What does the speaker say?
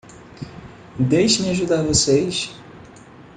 Deixe-me ajudar vocês.